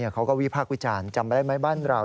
เขาก็วิพากษ์วิจารณ์จำไปได้ไหมบ้านเรา